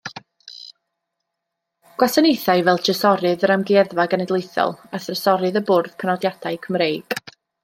Gwasanaethai fel trysorydd yr Amgueddfa Genedlaethol; a thrysorydd y Bwrdd Penodiadau Cymreig.